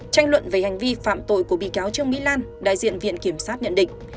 tranh luận về hành vi phạm tội của bị cáo trương mỹ lan đại diện viện kiểm sát nhận định